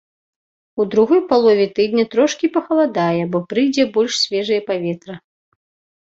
У другой палове тыдня трошкі пахаладае, бо прыйдзе больш свежае паветра.